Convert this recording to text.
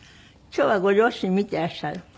今日はご両親見てらっしゃる？